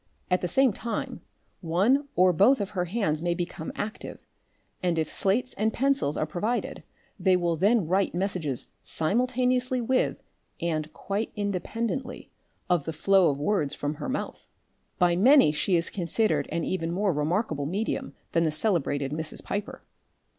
At the same time one or both of her hands may become active, and if slates and pencils are provided they will then write messages simultaneously with and quite independently of the flow of words from her mouth. By many she is considered an even more remarkable medium than the celebrated Mrs. Piper.